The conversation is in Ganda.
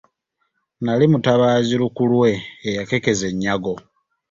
Nali mutabaazi lukulwe eyakekkeza ennyago.